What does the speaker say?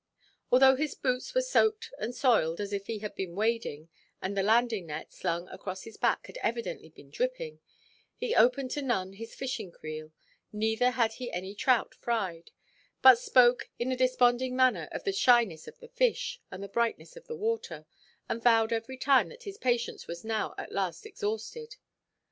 Although his boots were soaked and soiled as if he had been wading, and the landing–net, slung across his back, had evidently been dripping, he opened to none his fishing creel, neither had any trout fried, but spoke in a desponding manner of the shyness of the fish, and the brightness of the water, and vowed every time that his patience was now at last exhausted.